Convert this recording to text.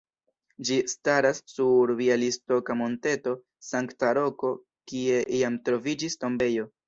Ĝi staras sur bjalistoka monteto Sankta Roko kie iam troviĝis tombejo.